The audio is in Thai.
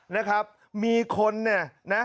นะครับมีคนเนี่ยนะ